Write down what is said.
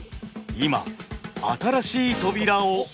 今新しい扉を開く。